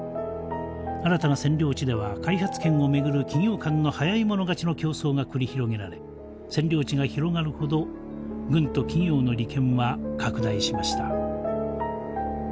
新たな占領地では開発権を巡る企業間の早い者勝ちの競争が繰り広げられ占領地が広がるほど軍と企業の利権は拡大しました。